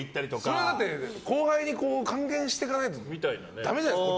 それは後輩に還元していかないとだめじゃないですか